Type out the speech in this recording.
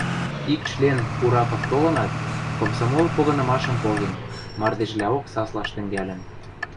ик член, Ураков, толынат, комсомол погынымашым поген, мардежлӓок саслаш тӹнгӓлӹн.